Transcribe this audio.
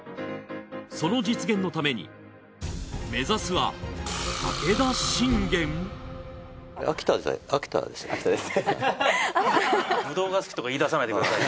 その実現のために目指すは武田信玄ぶどうが好きとか言い出さないでくださいね。